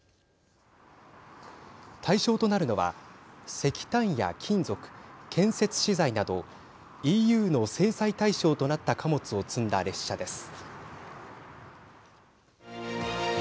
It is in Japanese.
対象となるのは石炭や金属、建設資材などＥＵの制裁対象となった貨物を積んだ列車です。